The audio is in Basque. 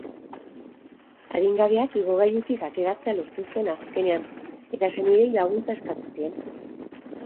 Adingabeak igogailutik ateratzea lortu zuen azkenean, eta senideei laguntza eskatu zien.